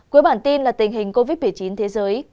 cuối bản tin là tình hình covid một mươi chín thế giới